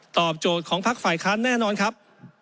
โจทย์ของพักฝ่ายค้านแน่นอนครับ